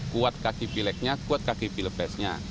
kuat kaki pileknya kuat kaki pilpresnya